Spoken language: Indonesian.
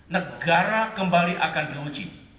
negara kembali akan diuji